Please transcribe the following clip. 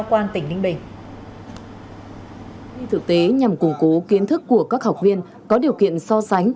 quan tỉnh ninh bình thực tế nhằm củng cố kiến thức của các học viên có điều kiện so sánh